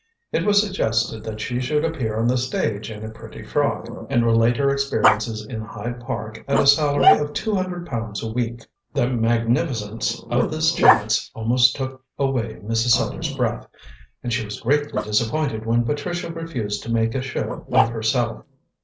It was suggested that she should appear on the stage in a pretty frock, and relate her experiences in Hyde Park at a salary of two hundred pounds a week. The magnificence of this chance almost took away Mrs. Sellars' breath, and she was greatly disappointed when Patricia refused to make a show of herself.